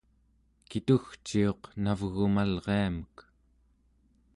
kitugciuq navgumalriamek